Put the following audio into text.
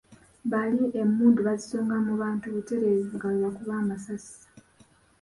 Baali emmundu baazisonga mu bantu butereevu nga bwe bakuba amasasi.